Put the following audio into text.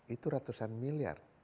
itu ratusan miliar